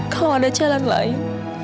kalau ada jalan lain